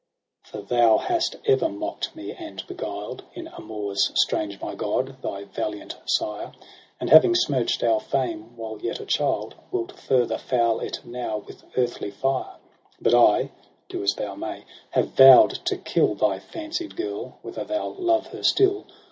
22 ' For thou hast ever mockt me, and beguUed In amours strange my God, thy valiant sire : And having smirch'd our fame while yet a child Wilt further foul it now with earthly fire. But I — do as thou may — have vow'd to kill Thy fancied girl, whether thou love her still.